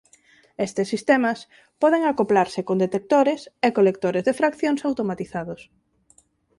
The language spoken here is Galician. Estes sistemas poden acoplarse con detectores e colectores de fraccións automatizados.